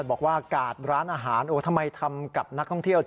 บอกว่ากาดร้านอาหารทำไมทำกับนักท่องเที่ยว